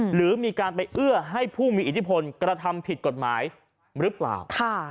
หรือมีการไปเอื้อให้ผู้มีอิทธิพลกระทำผิดกฎหมายหรือเปล่า